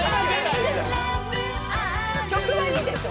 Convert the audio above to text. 「曲はいいでしょ？」